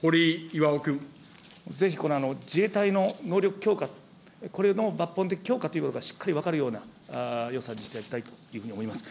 ぜひ自衛隊の能力強化、これの抜本的強化ということがしっかり分かるような予算にしていただきたいというふうに思います。